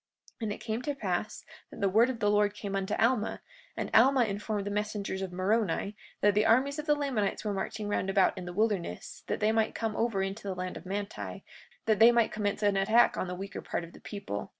43:24 And it came to pass that the word of the Lord came unto Alma, and Alma informed the messengers of Moroni, that the armies of the Lamanites were marching round about in the wilderness, that they might come over into the land of Manti, that they might commence an attack upon the weaker part of the people.